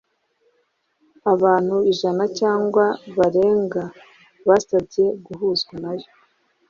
abantu ijana cyangwa barenga basabye guhuzwa nayo